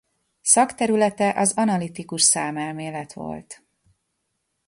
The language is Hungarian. Szakterülete az analitikus számelmélet volt.